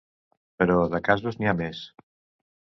Però de casos n’hi ha més.